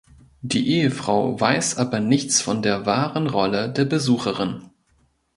Die Ehefrau weiß aber nichts von der wahren Rolle der Besucherin.